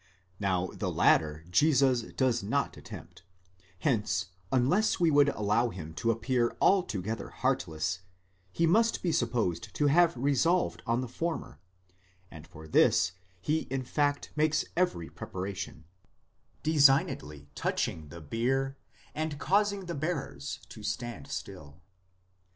Now the latter Jesus does not attempt: hence unless we would allow him to appear altogether heartless, he must be supposed to have resolved on the former, and for this he in fact makes every preparation, designedly touching the bier, and causing the bearers to stand still.